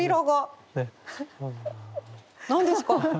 何ですか？